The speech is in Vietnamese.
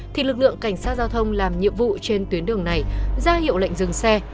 thì lực lượng cảnh sát giao thông làm nhiệm vụ trên tuyến đường này ra hiệu lệnh dừng xe